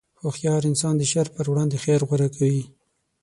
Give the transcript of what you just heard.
هوښیار انسان د شر پر وړاندې خیر غوره کوي.